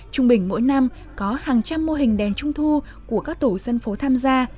trung bình mỗi năm có hàng trăm mô hình đèn trung thu của các tổ dân phố tham gia